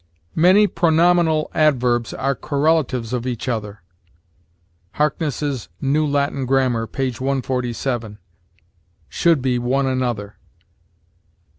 "Many pronominal adverbs are correlatives of each other." Harkness's "New Latin Grammar," p. 147. Should be one another.